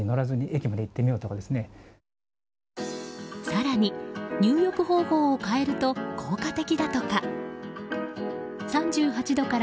更に、入浴方法を変えると効果的だとか。